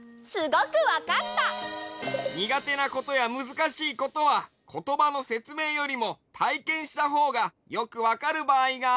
にがてなことやむずかしいことはことばのせつめいよりもたいけんしたほうがよくわかるばあいがあるんだ。